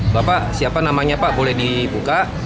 bapak siapa namanya pak boleh dibuka